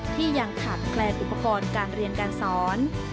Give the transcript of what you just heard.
ที่ยังขาดแคลนอุปกรณ์การเรียนการสอน